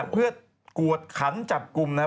เพื่อกวดขันจับกลุ่มนะครับ